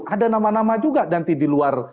ada nama nama juga nanti di luar